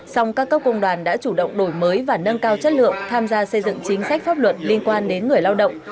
song các cấp công đoàn đã chủ động đổi mới và nâng cao chất lượng tham gia xây dựng chính sách pháp luật liên quan đến người lao động